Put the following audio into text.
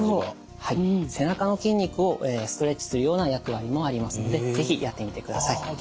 背中の筋肉をストレッチするような役割もありますので是非やってみてください。